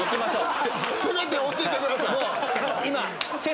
せめて教えてください。